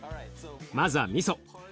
まずはみそ。